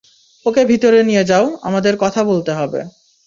ওকে ভিতরে নিয়ে যাও, আমাদের কথা বলতে হবে।